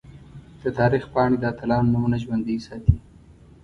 د تاریخ پاڼې د اتلانو نومونه ژوندۍ ساتي.